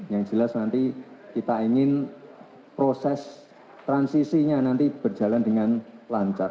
yang jelas nanti kita ingin proses transisinya nanti berjalan dengan lancar